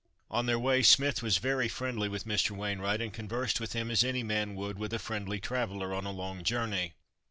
On their way, Smith was very friendly with Mr. Wainwright, and conversed with him as any man would with a friendly traveller on a long journey.